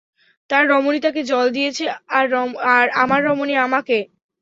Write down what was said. তার রমণী তাকে জল দিয়েছে, আর আমার রমণী আমাকে।